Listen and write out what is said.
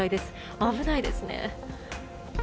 危ないですね。